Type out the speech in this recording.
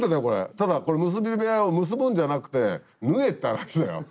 ただこれ結び目を結ぶんじゃなくて縫えって話だよ。